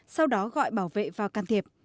sau đó gọi bảo vệ vào can thiệp